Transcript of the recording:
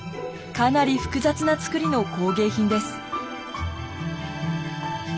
かなり複雑なつくりの工芸品です。